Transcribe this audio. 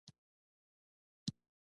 منظور یې متعارف طبیعي قوانین دي.